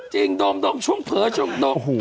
โดมช่วงเผลอช่วงดม